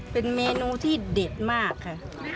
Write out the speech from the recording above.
เป็นเมนูที่เด็ดมากค่ะ